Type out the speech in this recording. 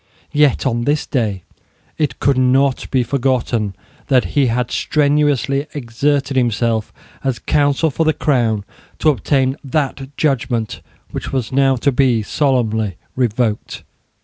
Yet, on this day, it could not be forgotten that he had strenuously exerted himself, as counsel for the Crown, to obtain that judgment which was now to be solemnly revoked.